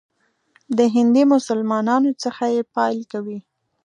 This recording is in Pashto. د هندي مسلمانانو څخه یې پیل کوي.